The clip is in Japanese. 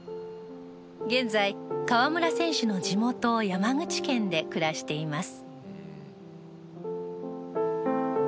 現在、河村選手の地元山口県で暮らしています。